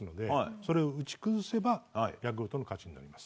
それを打ち崩せばヤクルトが勝ちます。